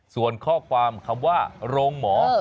ส่วนข้อความคำว่าโรงหมอ